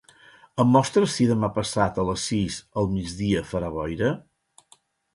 Em mostres si demà passat a les sis al migdia farà boira?